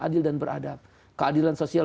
adil dan beradab keadilan sosial